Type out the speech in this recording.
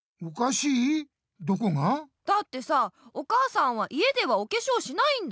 どこが？だってさお母さんは家ではおけしょうしないんだ。